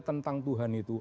tentang tuhan itu